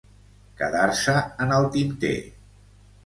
Quedar-se en el tinter.